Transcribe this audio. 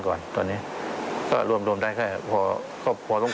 ก็บอกว่าจะไม่ฝ่ายเอง